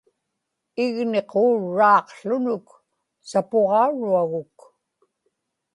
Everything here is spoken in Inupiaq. igniquurraaqłunuk sapuġauruaguk